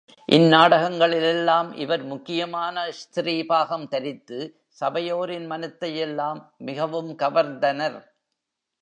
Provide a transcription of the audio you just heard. இந்நாடகங்களிலெல்லாம் இவர் முக்கியமான ஸ்திரீ பாகம் தரித்து, சபையோரின் மனத்தையெல்லாம் மிகவும் கவர்ந்தனர்.